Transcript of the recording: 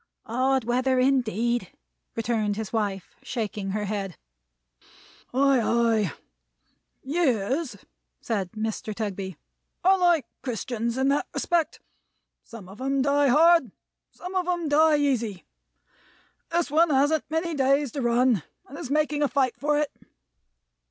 "Hard weather indeed," returned his wife, shaking her head. "Ay, ay! Years," said Mr. Tugby, "are like Christians in that respect. Some of 'em die hard; some of 'em die easy. This one hasn't many days to run, and is making a fight for it.